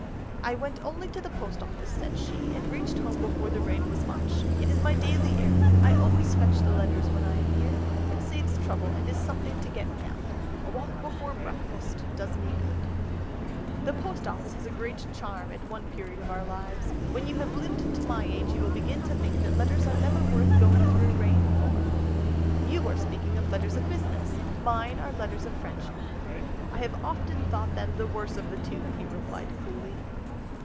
"'I went only to the post office,' said she, 'and reached home before the rain was much. It is my daily errand, I always fetch the letters when I am here. It saves trouble, and is a something to get me out. A walk before breakfast does me good.'... "'The post office has a great charm at one period of our lives. When you have lived to my age you will begin to think letters are never worth going through rain for.'... "'You are speaking of letters of business; mine are letters of friendship.' "'I have often thought them the worse of the two,' he replied coolly.